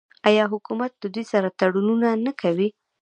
آیا حکومت له دوی سره تړونونه نه کوي؟